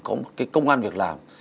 có một cái công an việc làm